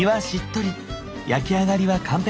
焼き上がりは完璧！